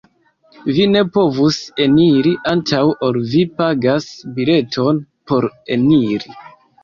"Vi ne povus eniri antaŭ ol vi pagas bileton por eniri.